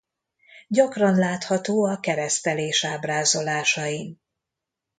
Gyakran látható a keresztelés ábrázolásain.